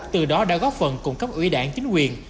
từ đó đã góp phần cung cấp ủy đảng chính quyền